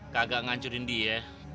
kagak ngancurin dia